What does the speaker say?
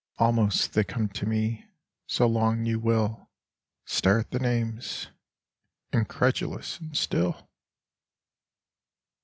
Almost they come to me: so long you mil Stare at the names, incredulous and still.